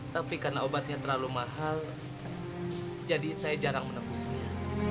tapi karena obatnya terlalu mahal jadi saya jarang menebusnya